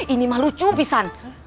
ini mah lucu pisan